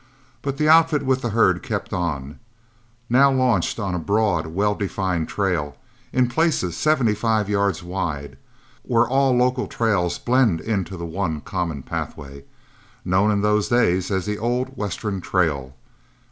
But the outfit with the herd kept on, now launched on a broad, well defined trail, in places seventy five yards wide, where all local trails blent into the one common pathway, known in those days as the Old Western Trail.